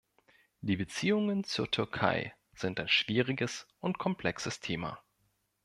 Die Beziehungen zur Türkei sind ein schwieriges und komplexes Thema.